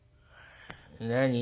「何？